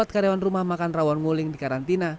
dua puluh empat karyawan rumah makan rawon nguling dikarantina